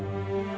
aku mau ke rumah